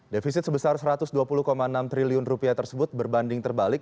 defisit sebesar rp satu ratus dua puluh enam triliun tersebut berbanding terbalik